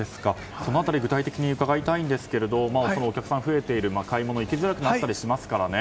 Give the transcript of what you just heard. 具体的に伺いたいですがお客さんが増えると買い物行きづらくなりますからね。